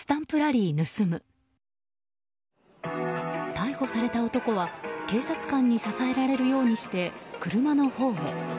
逮捕された男は警察官に支えられるようにして車のほうへ。